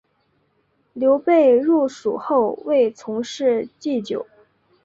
刘备入蜀后为从事祭酒。